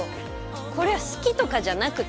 これは好きとかじゃなくて。